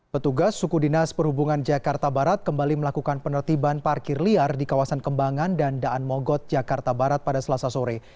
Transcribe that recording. petugas suku dinas perhubungan jakarta barat kembali melakukan penertiban parkir liar di kawasan kembangan dan daan mogot jakarta barat pada selasa sore